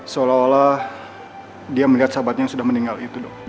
seolah olah dia melihat sahabatnya yang sudah meninggal itu dong